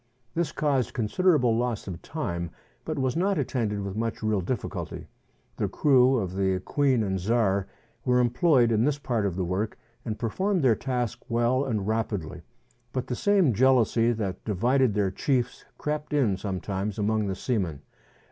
This caused con siderable loss of time, but was not attended with much real 90 MERIDIANA; THE ADVENTURES OF difficulty. The crew of the "Queen and Czar" were em ployed in this part of the work, and performed their task well and rapidly ; but the same jealousy that divided their chiefs crept in sometimes among the seamen.